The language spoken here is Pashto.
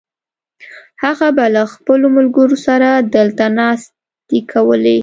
هغه به له خپلو ملګرو سره دلته ناستې کولې.